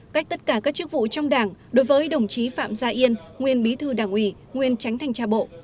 cách tất cả các chức vụ trong đảng đối với đồng chí phạm gia yên nguyên bí thư đảng ủy nguyên tránh thanh tra bộ